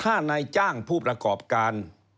ถ้านายจ้างผู้ประกอบการ